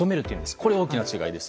これが大きな違いです。